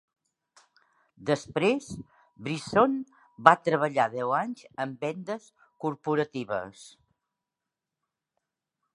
Després, Brison va treballar deu anys en vendes corporatives.